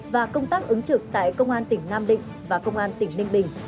và công tác ứng trực tại công an tỉnh nam định và công an tỉnh ninh bình